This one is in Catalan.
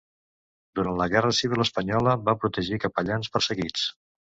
Durant la guerra civil espanyola va protegir capellans perseguits.